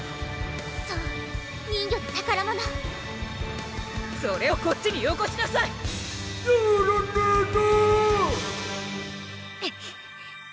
そう人魚の宝物それをこっちによこしなさいヤラネーダ！